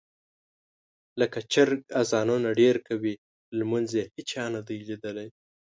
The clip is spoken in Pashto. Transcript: لکه چرګ اذانونه ډېر کوي، لمونځ یې هېچا نه دي لیدلی.